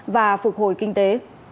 và phục hồi kinh tế